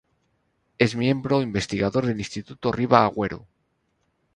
Es miembro investigador del Instituto Riva-Agüero.